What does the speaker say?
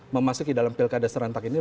memasuki dalam pilkada serentak ini